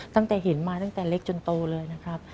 ตั้งแต่เห็นมาตั้งแต่เล็กจนโตเลยนะครับ